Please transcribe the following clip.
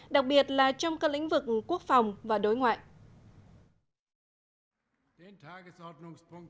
đặc biệt là trong các lĩnh vực quốc phòng